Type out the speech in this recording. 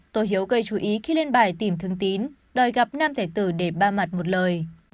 tôi hiếu gây chú ý khi lên bài tìm thương tín đòi gặp nam thể tử để ba mặt một lời